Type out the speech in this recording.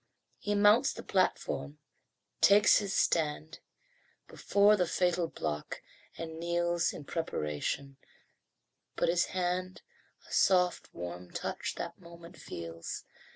He mounts the platform, takes his stand Before the fatal block, and kneels In preparation but his hand A soft warm touch that moment feels.